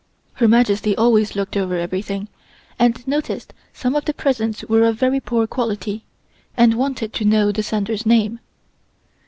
Her Majesty always looked over everything, and noticed some of the presents were of very poor quality, and wanted to know the sender's name.